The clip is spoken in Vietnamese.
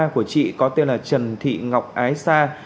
của chị có tên là trần thị ngọc ái sa